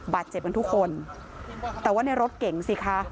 บาดเจ็บกันทุกคนแต่ว่าในรถเก่งสิคะ